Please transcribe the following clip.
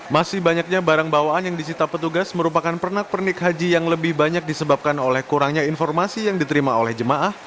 masih banyaknya barang bawaan yang disita petugas merupakan pernak pernik haji yang lebih banyak disebabkan oleh kurangnya informasi yang diterima oleh jemaah